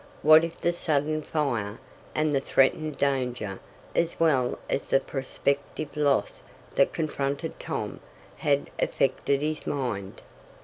What if the sudden fire, and the threatened danger, as well as the prospective loss that confronted Tom, had affected his mind?